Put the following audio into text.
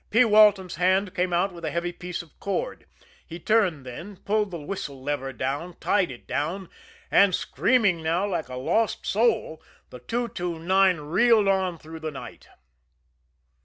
P. Walton's hand came out with a heavy piece of cord. He turned then, pulled the whistle lever down, tied it down and, screaming now like a lost soul, the 229 reeled on through the night.